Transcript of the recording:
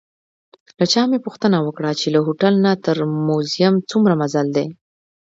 له چا مې پوښتنه وکړه چې له هوټل نه تر موزیم څومره مزل دی.